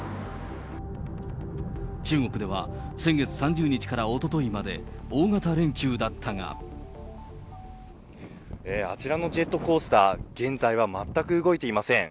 中国では先月３０日からおとといあちらのジェットコースター、現在は全く動いていません。